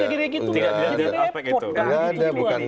jadi tidak ada apa gitu